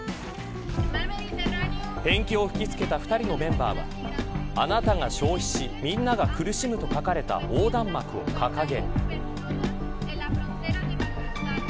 ペンキを吹きつけた２人のメンバーはあなたが消費しみんなが苦しむと書かれた横断幕を掲げ。